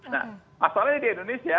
nah pasalnya di indonesia